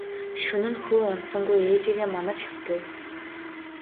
Шөнө нь хүү унтсангүй ээжийгээ манаж хэвтэв.